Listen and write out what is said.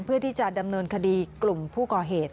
เพื่อที่จะดำเนินคดีกลุ่มผู้ก่อเหตุ